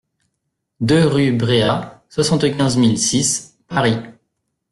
deux rue Bréa, soixante-quinze mille six Paris